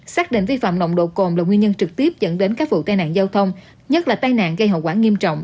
xác định vi phạm nồng độ cồn là nguyên nhân trực tiếp dẫn đến các vụ tai nạn giao thông nhất là tai nạn gây hậu quả nghiêm trọng